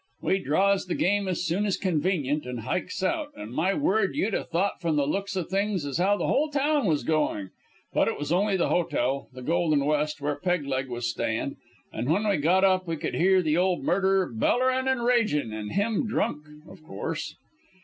"We draws the game as soon as convenient and hikes out, an', my word, you'd 'a' thought from the looks o' things as how the whole town was going. But it was only the hotel the Golden West, where Peg leg was stayin'; an' when we got up we could hear the ol' murderer bellerin' an' ragin', an' him drunk of course.